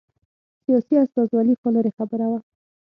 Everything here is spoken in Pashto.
سیاسي استازولي خو لرې خبره وه